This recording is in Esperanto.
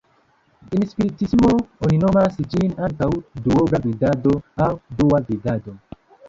En spiritismo oni nomas ĝin ankaŭ "duobla vidado" aŭ "dua vidado".